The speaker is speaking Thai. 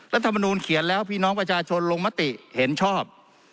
รัฐมนูลเขียนแล้วพี่น้องประชาชนลงมติเห็นชอบ